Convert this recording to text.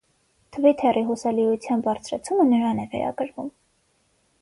Թվիթերի հուսալիության բարձրացումը նրան է վերագրվում։